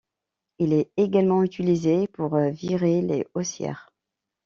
Il est également utilisé pour virer les aussières.